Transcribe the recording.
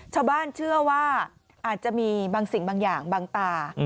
ชาวบ้านเชื่อว่าอาจจะมีบางสิ่งบางอย่างบางตา